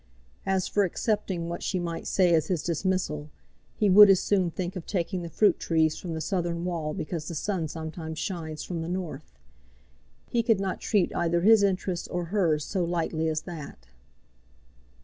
As for accepting what she might say as his dismissal, he would as soon think of taking the fruit trees from the southern wall because the sun sometimes shines from the north. He could not treat either his interests or hers so lightly as that.